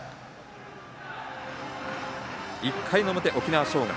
１回の表、沖縄尚学。